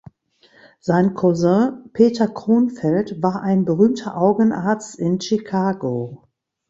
Sein Cousin Peter Kronfeld war ein berühmter Augenarzt in Chicago.